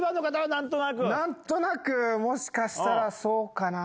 何となくもしかしたらそうかな。